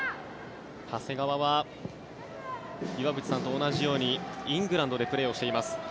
長谷川は岩渕さんと同じようにイングランドでプレーしています。